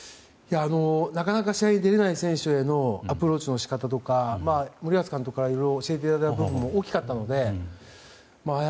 なかなか試合に出られない選手へのアプローチのし方とか森保監督からいろいろ教えていただいた部分も大きかったのでああ